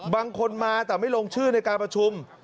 บางคนมาแต่ไม่ลงชื่อในการประชุม